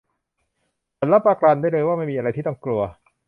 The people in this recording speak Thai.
ฉันรับประกันได้เลยว่าไม่มีอะไรที่ต้องกลัว